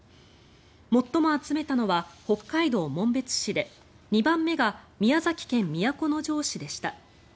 最も集めたのは北海道紋別市で２番目が宮崎県都城市でした。